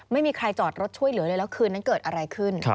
ไม่มีใครจอดรถช่วยเหลือเลยแล้วคืนนั้นเกิดอะไรขึ้น